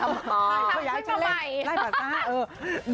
ทำชุดต้องขยับ